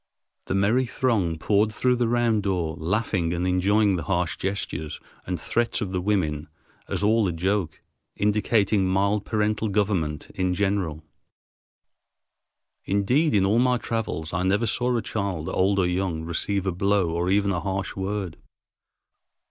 The merry throng poured through the round door, laughing and enjoying the harsh gestures and threats of the women as all a joke, indicating mild parental government in general. Indeed, in all my travels I never saw a child, old or young, receive a blow or even a harsh word.